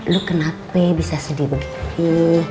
lu kenapa bisa sedih begini